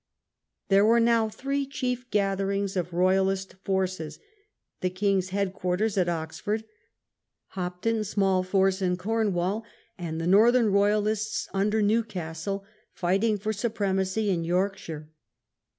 There were now three chief gatherings of Royalist forces, the king's head quarters at Oxford, Hopton's j^^ ^j.^^ small force in Cornwall, and the Northern successes tm Royalists under Newcastle, fighting for su August. 1643. premacy in Yorkshire.